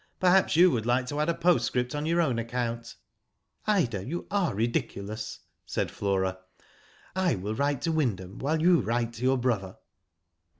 Perhaps you would like to add a postscript on your own account." '* Ida, you are ridiculous," said Flora. *' I will write to Wyndham while you write to your brother."